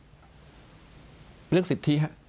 เป็นเรื่องสิทธิครับ